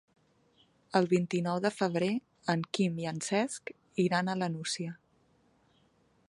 El vint-i-nou de febrer en Quim i en Cesc iran a la Nucia.